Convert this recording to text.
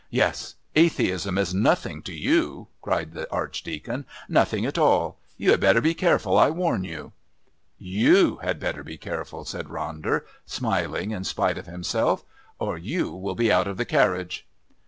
"Yes, atheism is nothing to you!" shouted the Archdeacon. "Nothing at all! You had better be careful! I warn you!" "You had better be careful," said Ronder, smiling in spite of himself, "or you will be out of the carriage."